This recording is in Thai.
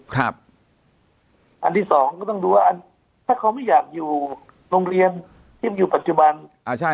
อันที่สองก็ต้องดูว่าถ้าเขาไม่อยากอยู่โรงเรียนที่มันอยู่ปัจจุบัน